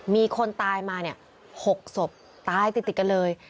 มีคนตายมาเนี้ยหกศพตายติดติดกันเลย